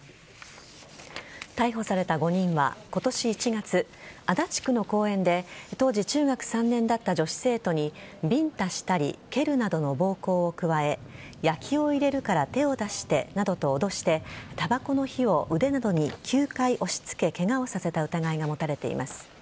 逮捕された５人は今年１月足立区の公園で当時中学３年だった女子生徒にビンタしたり蹴るなどの暴行を加えヤキを入れるから手を出してなどと脅してたばこの火を腕などに９回押し付けケガをさせた疑いが持たれています。